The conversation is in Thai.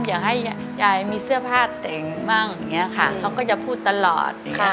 อยากให้ยายมีเสื้อผ้าแต่งบ้างเขาก็จะพูดตลอด